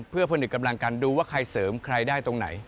เพื่อผนึกกำลังกันดูว่าใครเสริมใครได้ตรงไหน